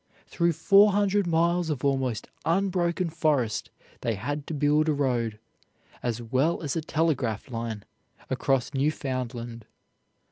Through four hundred miles of almost unbroken forest they had to build a road as well as a telegraph line across Newfoundland.